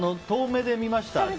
遠目で見ました。